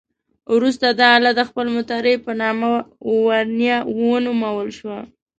وروسته دا آله د خپل مخترع په نامه ورنیه ونومول شوه.